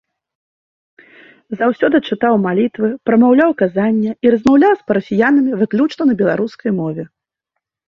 Заўсёды чытаў малітвы, прамаўляў казання і размаўляў з парафіянамі выключна на беларускай мове.